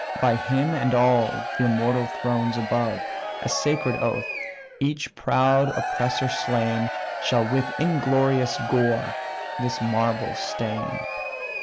By him and all the immortal thrones above (A sacred oath), each proud oppressor slain, Shall with inglorious gore this marble stain."